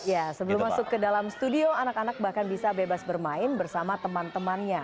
ya sebelum masuk ke dalam studio anak anak bahkan bisa bebas bermain bersama teman temannya